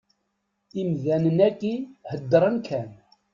Imdanen-agi heddren kan.